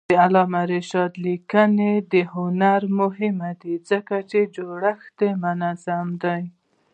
د علامه رشاد لیکنی هنر مهم دی ځکه چې جوړښت یې منظم دی.